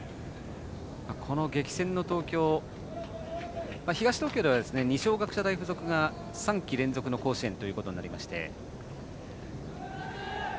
この激戦の東京東東京では二松学舎大学付属が３季連続の甲子園となりまして。